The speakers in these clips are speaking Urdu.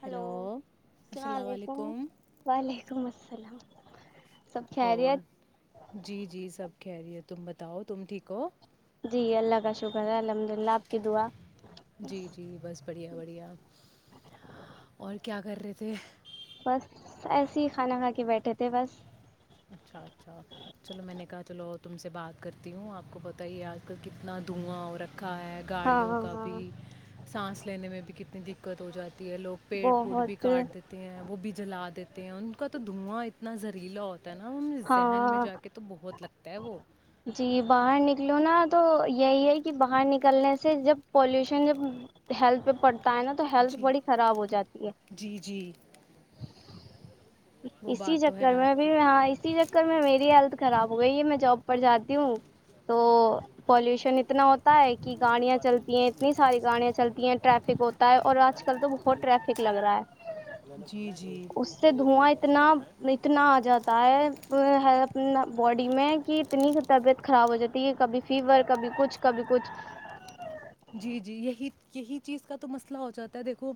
ہلو ہیلو السلام علیکم وعلیکم السلام السلام علیکم اور جی جی سب خیریت تم بتاؤ تم ٹھیک ہو جی اللہ کا شکر ہے الحمد للہ آپ کی دعا جی جی بس بڑھیا بڑھیا اور کیا کر رہے تھے بس ایسے ہی کھانا کھا کے بیٹھے تھے بس اچھا اچھا چلو میں نے کہا چلو تم سے بات کرتی ہوں آپ کو پتہ ہے آج کل کتنا دھواں اور رکھ کھا ہے ہاں گاڑیوں ہاں کا ہاں بھی سانس لینے میں بھی کتنی د دکت ہو جاتی ہے لوگ پیڑ پڑ بھی بہت کاٹ دیتے ہیں وہ بھی جلا دیتے ہیں ان کا تو دھواں اتنا زہریلا ہو نا ان ذہن میں ہاں جا کے تو بہت لگتا تے وہ جی باہر نکلو نا تو یہی ہے کہ باہر نکلنے سے جب پالوشن جب ہیلتھ پہ پڑتا ہے نا تو ہیلتھ جی بڑی خراب ہو جاتی ہے جی جی وہ اسی بات تو ہے چکر میں آپ بھی کی ہاں اسی چکر میں میری ہیلتھ خراب ہو گئی ہے میں جاب پر جاتی ہوں تو پالوشن اتنا ہوتا ہے کہ گاڑیاں چلتی ہیں اتنی ساری گاڑیاں چلتی ہیں ٹریفک ہوتا ہے اور آج کل تو بہت ٹریفک لگ رہا ہے جی جی اس سے اتنا آ جاتا ہے اپنا باڈی میں کہ اتنی طبیعت خراب ہو جاتی کبھی فیور کبھی کچھ کبھی کچھ جی جی یہی یہی چیز کا تو مسئلہ ہو جاتا ہے دیکھو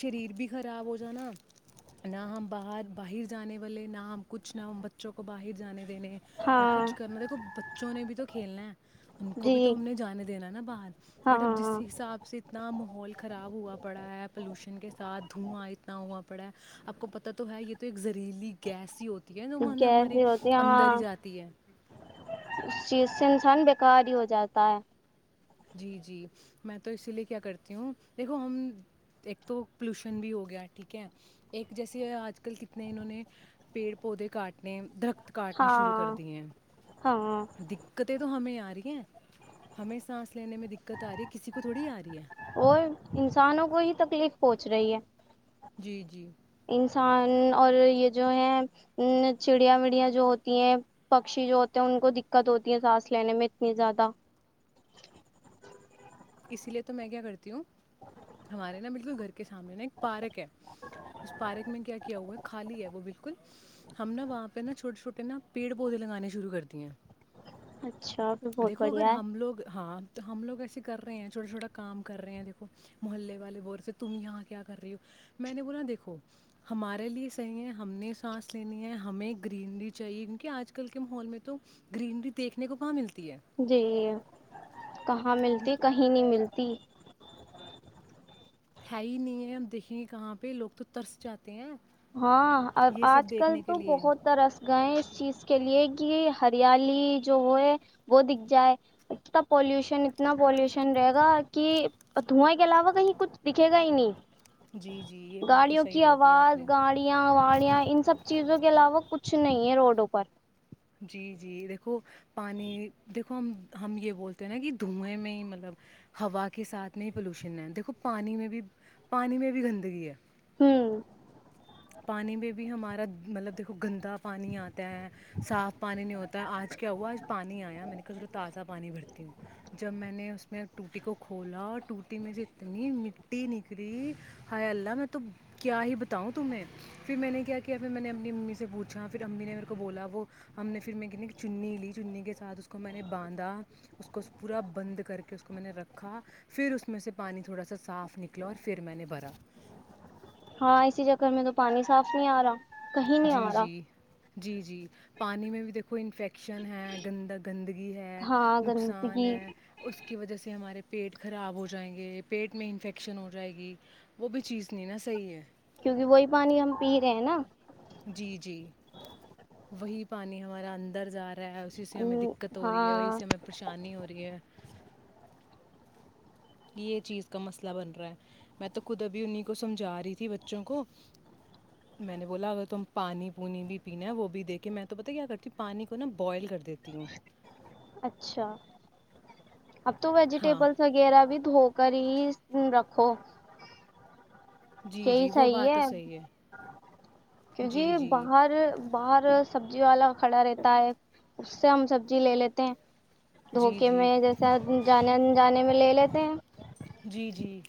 شریر بھی خراب ہو جانا نہ ہم باہر باہر جانے والے نہ ہم کچھ نہ ہم بچوں کو باہر جانے وال نہ ہاں کچھ کرنا دیکھو بچوں نے بھی تو کھیلنا ہے ان کو جی بھی تو ہم نے جانے دینا نا باہر ہاں بٹ اب جس ہاں حساب سے اتنا ماحول خراب ہوا پڑا ہے پلوشن کے ساتھ دھواں اتنا ہوا پڑا ہے آپ کو پتا تو ہے یہ تو ایک لہ ریلی گیس ہی ہوتی ہے جو گیس ہمارے بھی ہوتی ہے اندر ہی ہاں جاتی ہے اس چیز سے انسان بیکار ہی ہو جاتا ہے جی جی میں تو اسی لیے کیا کرتی ہوں دیکھو ہم ایک تو پولوشن بھی ہو گیا ٹھیک ہے ایک جیسے آج کل کتنے انہوں نے پیڑ پودے کاٹنے درخت کاٹنے شروع کر ہاں دی ہیں ہاں دقتیں تو ہمیں آ رہی ہیں ہمیں سانس لینے میں دقت آ رہی ہے کسی کو تھوڑی آ رہی ہے اوئے انسانوں کو ہی تکلیف پہنچ رہی ہے جی جی اور یہ جو ہیں چڑیا مڑیا جو ہوتی ہیں پکشی جو ہوتے ہیں ان کو دقت ہوتی ہیں سانس لینے میں اتنی زیادہ اسی لیے تو میں کیا کرتی ہوں ہمارے نا بالکل کے سامنے ایک پارک ہے اس پارک میں کیا کیا ہوا ہے خالی ہے وہ کچھ ہم نا وہاں پہ نا چھوٹے چھوٹے نا پیڑ پودے لگانے شروع کر دیے ہیں اچھا میں بہت دیکھو اگر بڑھیا ہے ہم لوگ ہاں ہم لوگ ایسے کر رہے ہیں چھوٹا چھوٹا کام کر رہے ہیں دیکھو محلے والے ور سے تم یہاں کیا کر رہی ہو میں نے بولا دیکھو ہمارے لیے صحیح ہیں ہم نے سانس لینی ہے ہمیں گرینری چاہیے کیونکہ اج کل کے ماحول میں تو گرین بھی دیکھنے کو کہاں مل [inaudible] ہم ملتے ہیں تو کہیں نہیں ملتی ہے ہی نہیں ہے اب دیکھیں کہاں پہ لوگ تو ترس جاتے ہیں ہاں یہ اج سب کل دیکھنے کے تو لیے بہت ترس گئے ہیں اس چیز کے لیے کی ہریالی جو وہ ہے وہ دکھ جائے اتنا پولیوشن اتنا پولیوشن رہے گا کہ پتھواں کے علاوہ کہیں کچھ دکھے گا ہی نہیں جی جی یہ بات تو صحیح بولی ہے اپ نے کالیاں والیاں ان سب چیزوں کے علاوہ کچھ نہیں ہے روڈ اوپر جی جی دیکھو پانی دیکھو ہم یہ بولتے ہیں نا جی دھوئیں میں مطلب ہوا کے ساتھ نہیں پولیوشن دیکھو پانی میں بھی پانی میں بھی گندگی ہے [inaudible] پانی بھی ہمارا مطلب دیکھو گندا پانی اتا ہے صاف پانی نہیں ہوتا ہے اج کیا ہوا اج پانی ایا میں نے کل جو تازہ پانی بھرتی ہوں جب میں نے اس میں ٹوٹی کو کھولا اور ٹوٹی میری اتنی مٹی نکلی ہائے اللہ نے تو کیا ہی بتاؤں تمہیں پھر میں نے کیا کیا پھر میں نے اپنی امی سے پوچھا پھر امی نے میرے کو بولا وہ ہم نے پھر میں کہ چنی لی چنی کے ساتھ اس کو میں نے باندھا اس کو پورا بند کر کے اس کو میں نے رکھا پھر اس میں سے پانی تھوڑا سا صاف نکلا اور پھر میں نے بھرا ہاں اسی جا کر میں تو پانی صاف نہیں ا رہا کہیں نہیں جی ا رہا جی جی جی پانی میں بھی دیکھو انفیکشن ہے گندا گندگی ہے ہاں نقصان گندگی ہے اس کی وجہ سے ہمارے پیٹ خراب ہو جائیں گے پیٹ میں انفیکشن ہو جائے گی وہ بھی چیز نہیں نا صحیح ہے کیونکہ وہی پانی ہم پی رہے ہیں نا جی جی وہی پانی ہمارا اندر اسی سے ہمیں دقت ہو رہی ہے وہیں ہاں سے ہمیں پریشانی ہو رہی ہے یہ چیز کا مسئلہ بن رہا ہے میں تو خود ابھی انہی کو سمجھا رہی تھی بچوں کو میں نے بولا اگر تم پانی پونی بھی پینا ہے وہ بھی دے کے میں تو پتہ ہے کیا کرتی ہوں پانی کو نا بئل کر دیتی ہوں اچھا اب تو ہاں ویجیٹیبلز وغیرہ ود ہوپ کریز رکھو جی یہی جی وہ صحیح بات تو ہے کیو جی باہر اور سبزی والا کھڑا رہتا ہے اس سے ہم سبزی لے لیتے جی جی ہیں جانے جانے میں لے لیتے ہیں جی جی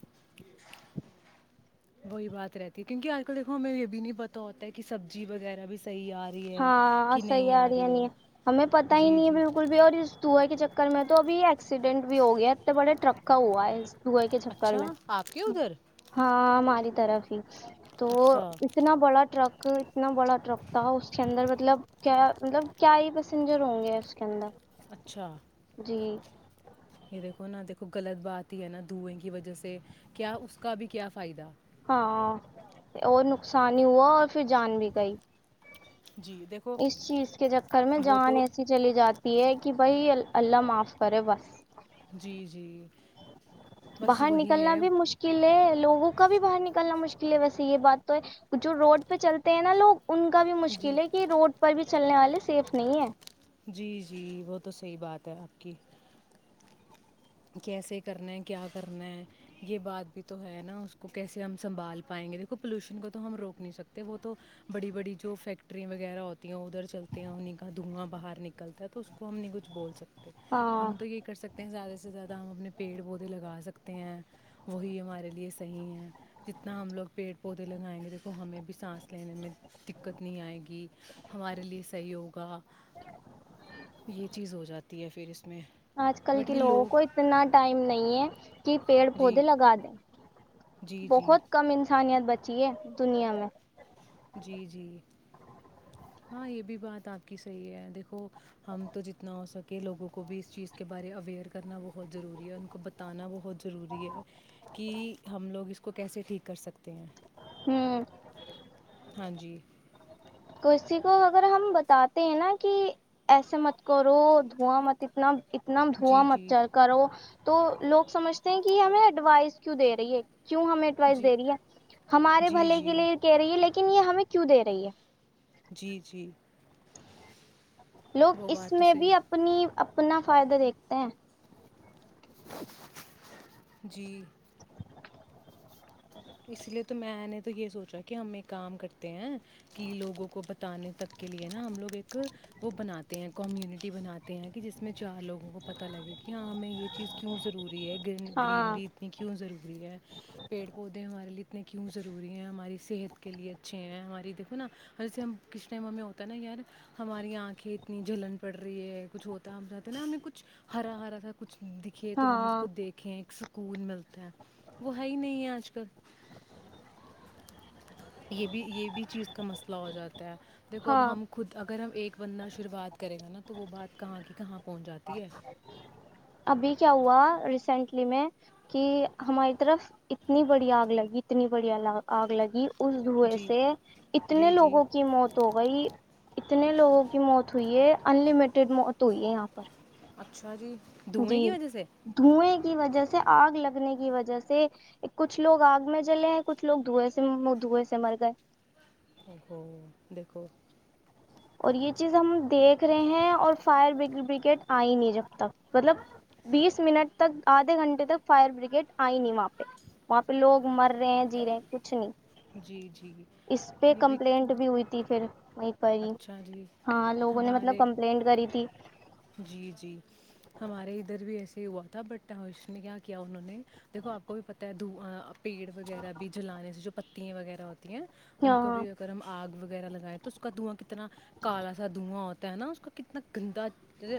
وہی بات رہتی ہے کیونکہ آج کل دیکھو ہمیں یہ بھی نہیں پت ہوتا ہے کہ سبزی وغیرہ بھی صحیح آ رہی ہے ہاں کہ صحی نہیں آ رہ رہی نہیں ہے ہمیں پت ہی جی نہیں ہے جی بالکل بھی اور کنوئیں کے چکر میں تو ابھی ایکسیڈنٹ بھی ہو گیا ہے انے بڑے ٹرک کا ہوا ہے سئی کے چھر اچھا میں آپ کے ادھر ہاں ہماری طرف ہی تو اچھا اتنا بڑا ٹرک اتنا بڑا ٹرک تھا اس اس کے اندر مطلب کیا مطلب کیا ہی پیسنجر ہوں گے اس کے اندر اچھا جی یہ دیکھو نا دیکھو غلط بات ہی ہے نا دئیں کی وجہ سے کیا اس کا بھی کیا فائدہ ہاں اور نقصان ہی ہوا اور پھر جان بھی گئی جی دیکھو اس چیز کے چکر میں وہ جان تو ایسی چلی جاتی ہے کہ بھائی اللہ معاف کرے بس جی جی بس باہر وہی نکلنا ہے بھی مشکل ہے لوگوں کا بھی باہر نکلنا مشکل لیے ویسے یہ بات تو ہے جو روڈ پہ چلتے ہیں نا لوگ ان کا بھی جی مشکل ہے کہ روڈ پر بھی چلنے والے سیف نہیں ہے جی جی وہ تو صحیح بات ہے آپ کی کیسے کرنا ہے کیا کرنا ہے یہ بات بھی تو ہے نا اس کو کیسے ہم سنبھال پائیں گے دیکھو پولیوشن کو تو ہم روک نہیں سکتے وہ تو بڑی بڑی جو فیکٹری وغیرہ ہوتی ہیں ادھر چلتے ہیں انہی کا دھواں باہر نکلتا ہے تو اس کو ہم نے کچھ بول سکتے ہیں ہاں ہم تو یہ کر سکتے ہیں زیادہ سے سب سے زیادہ ہم اپنے پیڑ پودے لگا سکتے ہیں وہی ہمارے لیے صحیح ہیں جتنا ہم لوگ پیڑ پودے لگائیں گے دیکھو ہمیں بھی سانس لینے میں دقت نہیں آئے گی ہمارے لیے صحیح ہوگا یہ چیز ہو جاتی ہے پھر اس میں آج کل بٹ کے یہ لوگوں کو لوگ اتنا ٹائم نہیں ہے کہ پیڑ جی پودے لگا دیں جی جی بہت کم انسانی ت بچی ہے دنیا میں جی جی ہاں یہ بھی بات آپ کی صحیح ہے دیکھو ہم تو جتنا ہو سکے لوگوں کو بھی اس چیز کے بارے اویئر کرنا بہت ضروری ہے ان کو بتانا بہت ضروری ہے کہ ہم لوگ اس کو کیسے ٹھیک کر سکتے ہیں ہوں ہاں جی کسی کو اگر ہم بتاتے ہیں نا کہ ایسے مت کرو دھواں مت اتنا اتنا دھواں جی جی مچھر کرو تو لوگ سمجھتے ہیں کہ ہمیں ایڈوائز کیوں دے رہی ہے کیوں ہمیں ایٹوائس جی دے رہی ہے ہمارے جی بھلے کے جی لیے کہہ رہی ہے لیکن ن یہ ہمیں کیوں دے رہی ہے جی جی لوگ وہ اس بات تو میں بھی صحیح اپنی اپنا فائدہ دیکھتے ہیں جی اسی لیے تو میں نے تو یہ سوچا کہ ہم ایک کام کرتے ہیں کہ لوگوں کو بتانے تک کے لے نا ہم لوگ ایک وہ بناتے ہیں کمیونٹی بناتے ہیں کہ جس میں چار لوگوں کو پتا لگے کہ ہاں ہمیں یہ چیز کیوں ضروری ہے گن ہاں گرینری اتنی کیوں ضروری ہے پیڑ پ پودے ہمارے لیے اتنے کیوں ضروری ہیں ہماری صحت کے لیے اچھے ہیں ہماری دھو ناسے ہم کس ٹائم ہمیں ہوتا ہے نا یار ہماری آنکھیں اتنی جلن پڑ رہی ہے کچھ ہوتا ہے ہم چاہتے ہیں نا ہمیں کچھ ہرا ہرا سا کچھ دکھے تو ہم اس کو ہاں دیکھیں ایک سکون ملتا وہ ہے ہی نہیں ہے آج کل تو یہ بھی یہ بھی چیز کا مسئلہ ہو جاتا ہے دیکھو اب ہاں ہم خود اگر ہم ایک بننا شروعات کرے گا نا تو وہ بات کہاں کی کہاں پر ابھی کیا ہوا ریسینٹلی میں کہ ہماری طرف اتنی بڑی آگ لگی اتنی بڑی آگ لگی اس دھوئیں جی سے اتنے جی جی لوگوں کی موت ہو گئی اتنے لوگوں کی موت ہوئی ہے ان لمیٹیڈ موت ہوئی ہے یہاں پر اچھا جی جی دھوئیں کی وجہ سے دھوئیں کی وجہ سے آگ لگنے کی وجہ سے کچھ لوگ آگ میں جلے ہیں کچھ لوگ دھو سے دھوئیں سے مر گئے او ہو دیکھو اور یہ چیز ہم دیکھ رہے ہیں اور فائر بگیڈ آئی نہیں جب تک مطلب بیس منٹ تک آدھے گھنٹے تک فائر بریگیڈ آئی نہیں وہاں پہ وہاں پہ لوگ مر رہے ہیں جی رہے ہیں کچھ نہیں جی جی اس پہ یہ بھی کمپلینٹ بھی ہوئی تھی پھر ایک باری اچھا جی ہاں لوگوں نے مطلب ہمارے کمپلینٹ کری تھی جی جی ہمارے ادھر بھی ایسے ہی ہوا تھا بٹ اس نے کیا کیا انہوں نے دیکھو آپ کو بھی پت ہے د پیڑ وغیرہ بھی جلانے سے جو پتی وغیرہ ہوتی ہیں ان کو ہاں بھی اگر ہم آگ وغیرہ لگائے تو اس کا دھواں کتنا کالا سا دواں ہوتا ہے نا اس کا کتنا گندا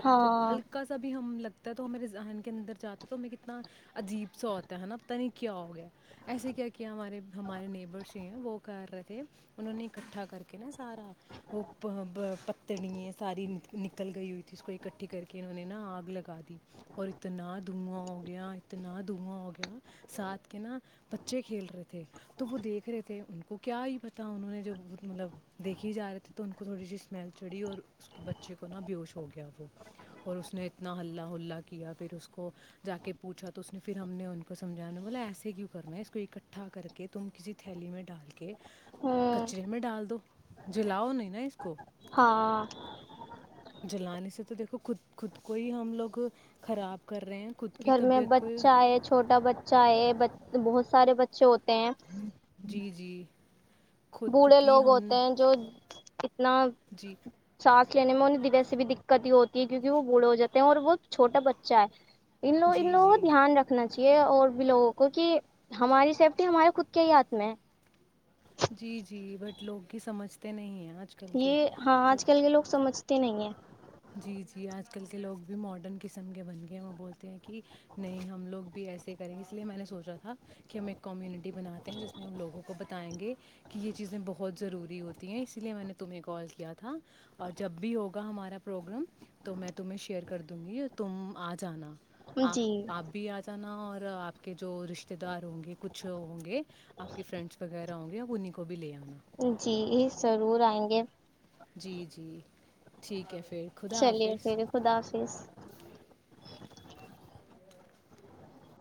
ہاں ہلکا سا بھی ہم لگ تو میرے ذہن کے اندر جاتا تو کتنا عجیب سا ہوتا ہے نا پتا نہیں کیا ہو گیا ایسے کیا کیا ہمارے ہمارے نیبرس جو ہیں وہ کر رہے تھے انہوں نے اکٹھا کر کے نا سارا ا پتنی ہے ساری ن نکل گئی اس کو اکٹھی کر کے انہوں نے نا آگ لگا دی اور اتنا دھواں ہوگیا اتنا دھواں ہوگیا ساتھ کے نا بچے کھیل رہے تھے تو وہ دیکھ رہے تھے ان کو کیا ہی پتا انہوں نے جب وہ مطلب دیکھی جا رہے تھے تو ان کو تھوڑی سی اسمیل چڑی اور اس کے بچے کو نہا بیش ہو گیا وہ اور اس نے اتنا ہلہ ہلا کیا پھر اس کو جا کے پوچھا تو اس نے پھر ہم نے ان کو سمجھایا ن بولا ایسے کیوں کرنا ہے اس کو اکٹھا کر کے تم کسی تھیلی میں ڈال کے ہوں کچرے میں ڈال دو جلاؤ نہیں نا اس کو ہاں جلانیے سے تو دیکھو خود خود کو ہی ہم لوگ خراب کر رہے ہیں خود کی گھر میں طبیعت کو بچہ ہے چھوٹا بچہ ہے بہت سارے بچے ہوتے ہیں جی جی خود بوڑھے کی لوگ ہم ہوتے نے ہیں جو اتنا جی ساف لینے میں انہیں ویسی بھی دقت ہوتی ہے کیکہ وہ بوڑے ہو جاتے ہیں اور وہ چھوٹا بچہ ہے انو جی انو جی دھیان رکھنااہی یہ اور بھی لوگوں کو کہ ہماری سیفٹی ہمارے خود کے ہی ہاتھ میں ہے جی جی بٹ لوگ کی سمجھتے نہیں ہیں آج کل کے یہ ہاں وہ آج کل کے لوگ سمجھ نہیں ہے جی جی آج کل کے لوگ بھی ماڈرن قسم کے بن گئے ہیں وہ بولتے ہیں کہ نہیں ہم لوگ بھی ایسے کریں گے اس لیے میں نے سوچا تھا کہ ہم ایک کمیونٹی بناتے ہیں جس میں ہم لوگوں کو ب آئیں گے کہ یہ چیزیں بہت ضروری ہوتی ہیں اسی لیے میں نے تمہیں کال کیا تھا اور جب بھی ہوگا ہمارا پروگرام تو میں تمہیں شیئر کر دوں گی تم آ جانا ہیں جی آپ آپ بھی آ جانا ہ اور آپ کے جو رشتے دار ہوں گے کچھ ہوں گے آپ کے فرینڈس وغیرہ ہوں گے انہیں کو بھی لے آنا جی ضرور آئیں گے جی جی ٹھیک ہے پھر خدا چلیے حافظ پھر خدا حافظ